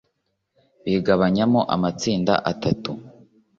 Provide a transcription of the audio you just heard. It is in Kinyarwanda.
bigabanyamo amatsinda atatu